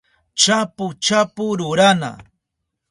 chapu chapu rurana